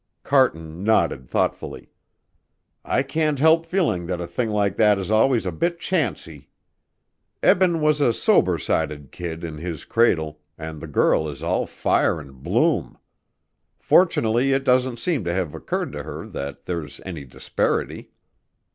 Carton nodded thoughtfully. "I can't help feeling that a thing like that is always a bit chancy. Eben was a sober sided kid in his cradle and the girl is all fire and bloom. Fortunately it doesn't seem to have occurred to her that there's any disparity."